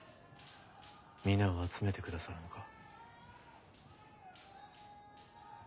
皆を集めてくださらぬか。